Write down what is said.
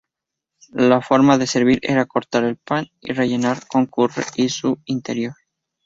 La forma de servir era cortar el pan y rellenar con curry su interior.